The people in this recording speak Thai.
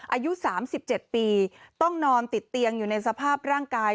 อายุ๓๗ปีต้องนอนติดเตียงอยู่ในสภาพร่างกาย